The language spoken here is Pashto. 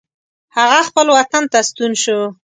هغه خپل وطن ته ستون شو.